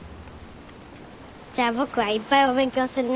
じゃあ僕はいっぱいお勉強するね。